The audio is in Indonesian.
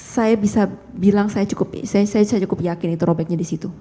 saya bisa bilang saya cukup saya cukup yakin itu robeknya di situ